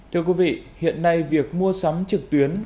thưa quý vị hiện nay việc mua sắm trực tuyến